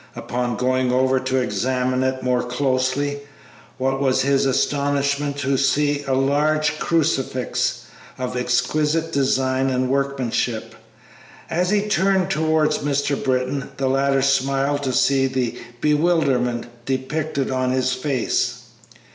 Upon going over to examine it more closely, what was his astonishment to see a large crucifix of exquisite design and workmanship. As he turned towards Mr. Britton the latter smiled to see the bewilderment depicted on his face.